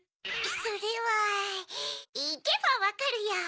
それはいけばわかるよ。